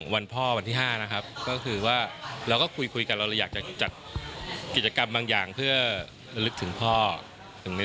มาทำอะไรบ้างวันนี้